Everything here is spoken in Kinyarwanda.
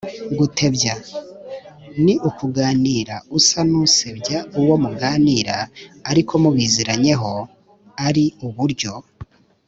gutebya: ni ukuganira usa n’usebya uwo muganira ariko mubiziranyeho ari uburyo